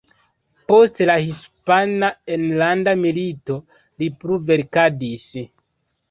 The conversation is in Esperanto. Post la Hispana Enlanda Milito li plu verkadis.